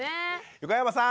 横山さん。